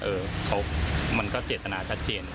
เออมันก็เจตนาชัดเจน